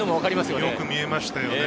よく見えましたね。